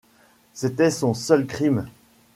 C’était son seul crime.